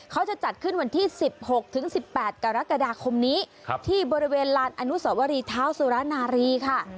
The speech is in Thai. เขาจะจัดขึ้นวันที่สิบหกถึงสิบแปดกรกฎาคมนี้ครับที่บริเวณลานอนุสวรีเท้าสุรนารีค่ะ